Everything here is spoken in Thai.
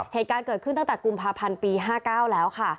เหตุการณ์เกิดขึ้นตั้งแต่กุมภาพันธ์ปี๕๙แล้วค่ะ